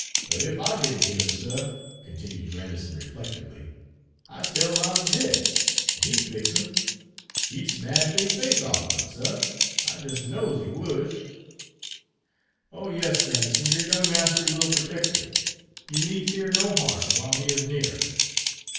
"Er ef I did n't hit 'em, suh," continued Grandison reflectively, "I 'd tell Mars Dick, en he 'd fix 'em. He 'd smash de face off'n 'em, suh, I jes' knows he would." "Oh yes, Grandison, your young master will protect you. You need fear no harm while he is near."